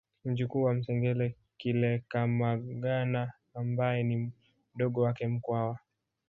Mjukuu wa Msengele Kilekamagana ambaye ni mdogo wake Mkwawa